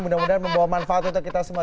mudah mudahan membawa manfaat untuk kita semua